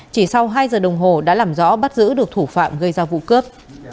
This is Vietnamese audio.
chỉ sau hai giờ đồng hồ đã làm rõ bắt giữ được thủ phạm gây ra vụ cướp